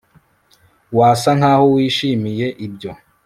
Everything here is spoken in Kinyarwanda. Wasa nkaho wishimiye ibyo